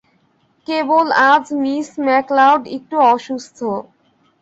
কেবল আজ miss McLeod একটু অসুস্থ।